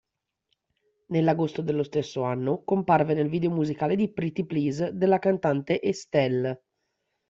Nell'agosto dello stesso anno comparve nel video musicale di "Pretty Please" della cantante Estelle.